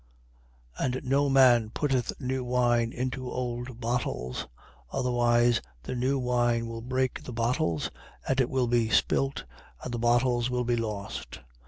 5:37. And no man putteth new wine into old bottles: otherwise the new wine will break the bottles; and it will be spilled and the bottles will be lost.